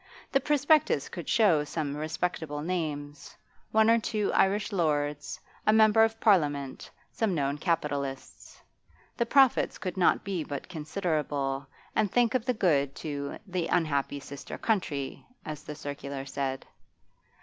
The prospectus could show some respectable names: one or two Irish lords, a member of Parliament, some known capitalists. The profits could not but be considerable, and think of the good to 'the unhappy sister country' as the circular said.